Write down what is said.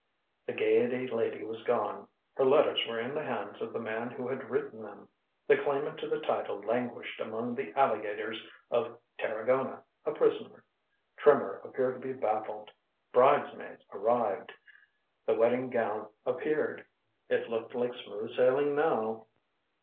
The Gaiety lady was gone; her letters were in the hands of the man who had written them. The claimant to the title languished among the alligators of Tarragona, a prisoner. Trimmer appeared to be baffled. Bridesmaids arrived. The wedding gown appeared. It looked like smooth sailing now.